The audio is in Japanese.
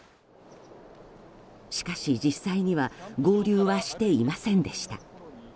しかし、実際には合流はしていませんでした。